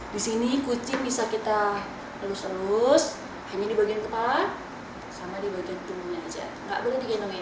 di sini kucing bisa kita lulus lulus hanya di bagian kepala sama di bagian punggungnya saja